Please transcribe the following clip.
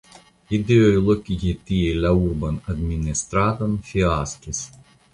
Ideoj lokigi tie la urban administradon fiaskis.